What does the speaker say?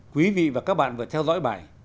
quý vị và các bạn vừa theo dõi bài